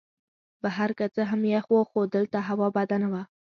بهر که څه هم یخ وو خو دلته هوا بده نه وه.